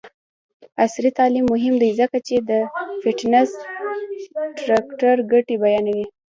عصري تعلیم مهم دی ځکه چې د فټنس ټریکر ګټې بیانوي.